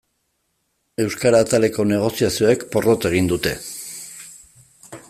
Euskara ataleko negoziazioek porrot egin dute.